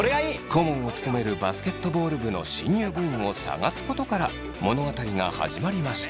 顧問を務めるバスケットボール部の新入部員を探すことから物語が始まりました。